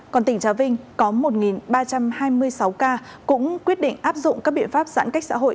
còn tỉnh trà vinh có một ba trăm hai mươi sáu ca cũng quyết định áp dụng các biện pháp giãn cách xã hội